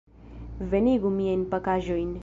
Venigu miajn pakaĵojn.